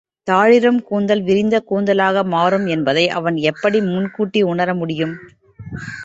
தாழிருங் கூந்தல் விரிந்த கூந்தலாக மாறும் என்பதை அவன் எப்படி முன் கூட்டி உணர முடியும்!